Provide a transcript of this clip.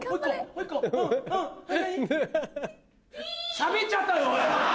しゃべっちゃったぞおい！